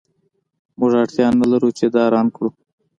موږ اړتیا نلرو چې دا رنګ کړو